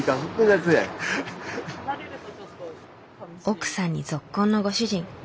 奥さんにぞっこんのご主人。